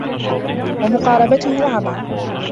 وَمُقَارَبَتُهُ عَمَى